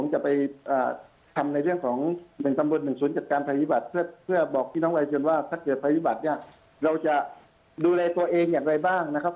ว่าถ้าเกิดประโยบัติเนี่ยเราจะดูแลตัวเองอย่างไรบ้างนะครับ